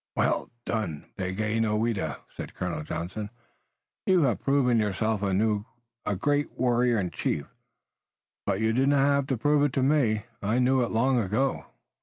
"Well done, Daganoweda," said Colonel Johnson. "You have proved yourself anew a great warrior and chief, but you did not have to prove it to me. I knew it long ago.